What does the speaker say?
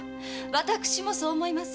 私もそう思います。